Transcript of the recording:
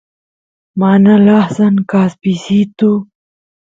mana lasan kaspisitu